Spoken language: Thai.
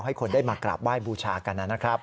ให้คนได้มากราบไหว้บูชากันนะครับ